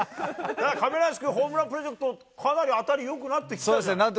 亀梨君、ホームランプロジェクトかなり当たりよくなってきたじゃない。